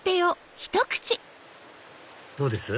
どうです？